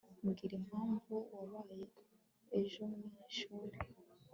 mbwira impamvu wabaye ejo mwishuri